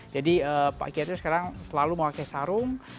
jadi pak kiai itu sekarang selalu mau pakai sarung